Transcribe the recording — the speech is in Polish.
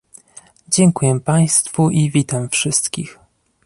Dziękuję państwu i witam wszystkich